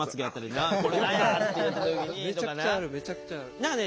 めちゃくちゃある。